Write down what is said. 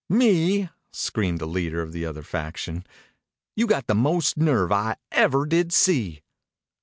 "Me!" screamed the leader of the other faction. "You got the most nerve I ever did see."